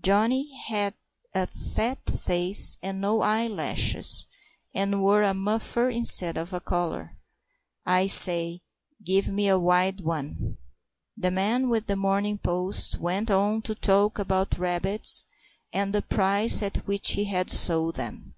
Johnny had a fat face and no eyelashes, and wore a muffler instead of a collar. "I say, give me a wild one." The man with The Morning Post went on to talk about rabbits and the price at which he had sold them.